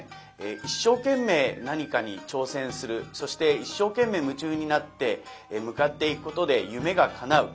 一生懸命何かに挑戦するそして一生懸命夢中になって向かっていくことで夢がかなう。